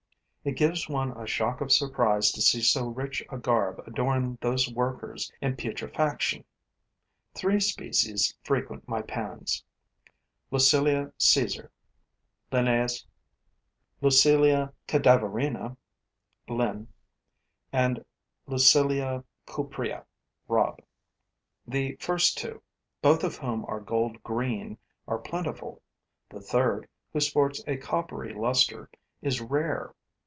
It gives one a shock of surprise to see so rich a garb adorn those workers in putrefaction. Three species frequent my pans: Lucilia Caesar, LIN., L. cadaverina, LIN., and L. cuprea, ROB. The first two, both of whom are gold green, are plentiful; the third, who sports a coppery luster, is rare.